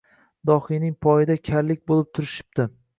Dohiyning poyida karlik bo‘lib turishipti.